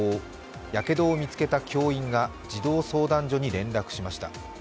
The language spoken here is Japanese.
やけどを見つけた教員が児童相談所に連絡しました。